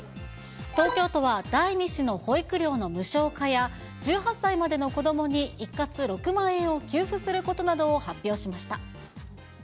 東京都は、第２子の保育料の無償化や、１８歳までの子どもに一括６万円を給付することなどを発表しました。